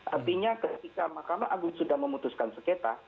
artinya ketika mahkamah agung sudah memutuskan sengketa